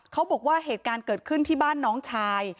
เขาบอกว่าเหตุการณ์เกิดขึ้นที่บ้านน้องชาย